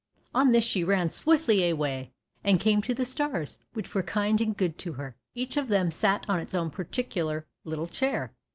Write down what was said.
On this she ran swiftly away, and came to the stars, which were kind and good to her, and each of them sat on its own particular little chair.